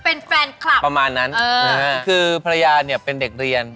เป็นแฟนคลับประมาณนั้นคือภรรยาเนี่ยเป็นเด็กเรียน